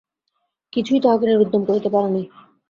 কিছুই তাহাকে নিরুদ্যম করিতে পারে নাই।